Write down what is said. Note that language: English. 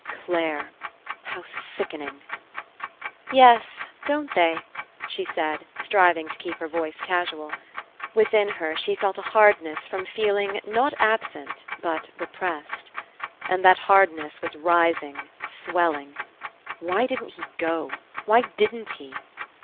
Clare! How sickening! *'Yes, don't they?" she said, striving to keep her voice casual. Within her she felt a hardness from feeling, not absent, but re pressed. And that hardness was rising, swell ing. Why didn't he go? Why didn't he?